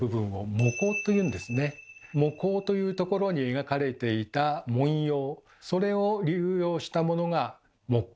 帽額というところに描かれていた紋様それを流用したものが木瓜紋です。